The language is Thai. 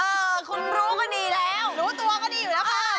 เออคุณรู้ก็ดีแล้วรู้ตัวก็ดีอยู่แล้วค่ะ